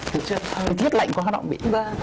thực ra là thiết lạnh quá nóng bị